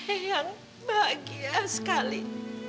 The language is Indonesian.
eang bahagia sekali